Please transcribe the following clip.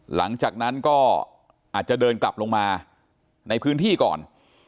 หลังจากนั้นก็อาจจะเดินกลับลงมาในพื้นที่ก่อน